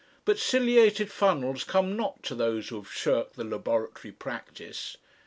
But ciliated funnels come not to those who have shirked the laboratory practice.